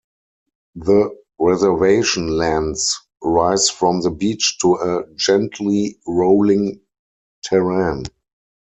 The reservation lands rise from the beach to a gently rolling terrain.